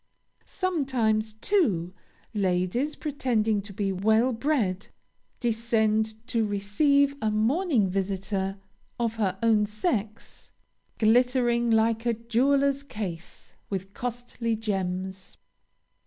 Sometimes, too, ladies pretending to be well bred, descend to receive a morning visitor of their own sex, glittering like a jeweler's case, with costly gems.